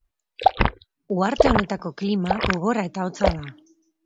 Uharte honetako klima gogorra eta hotza da.